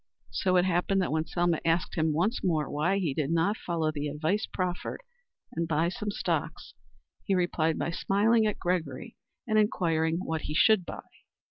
So it happened that, when Selma asked him once more why he did not follow the advice proffered and buy some stocks, he replied by smiling at Gregory and inquiring what he should buy.